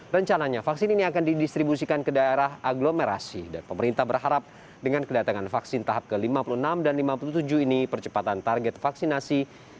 rencananya vaksin ini akan didistribusikan ke daerah agglomerasi dan pemerintah berharap dengan kedatangan vaksin tahap ke lima puluh enam dan ke lima puluh tujuh ini percepatan target vaksinasi